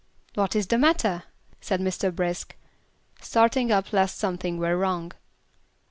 "What is the matter?" said Mr. Brisk, starting up lest something were wrong.